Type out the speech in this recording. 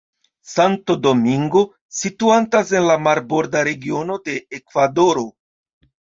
Santo Domingo situantas en la Marborda Regiono de Ekvadoro.